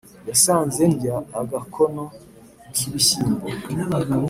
yasanze ndya agakono k’ ibishyimbo,